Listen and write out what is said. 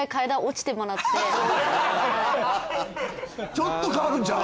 ちょっと変わるんちゃう？